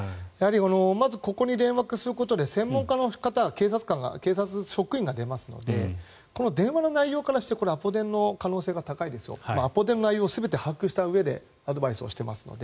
まずここに連絡することで専門家の方警察職員の方が出ますのでこの電話の内容からしてこれはアポ電の可能性が高いとアポ電の内容を全て把握したうえでアドバイスしていますので。